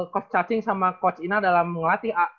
coach cacing sama coach ina dalam ngelatih ah